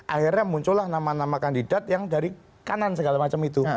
akhirnya muncullah nama nama kandidat yang dari kanan segala macam itu